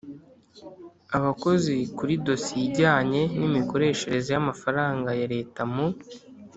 abakozi Kuri dosiye ijyanye n imikoreshereze y amafaranga ya Leta mu